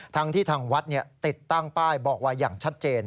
ทั้งที่ทางวัดติดตั้งป้ายบอกไว้อย่างชัดเจน